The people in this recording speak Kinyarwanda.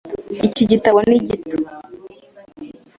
Iki gitabo ni gito .